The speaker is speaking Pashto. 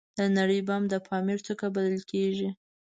د نړۍ بام د پامیر څوکه بلل کیږي